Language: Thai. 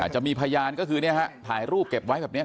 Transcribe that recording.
จะมีพยานก็คือถ่ายรูปเก็บไว้แบบนี้